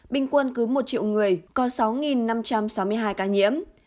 bình quân cứ một triệu người có sáu năm trăm sáu mươi hai ca nhiễm